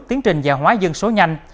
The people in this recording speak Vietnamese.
tiến trình giả hóa dân số nhanh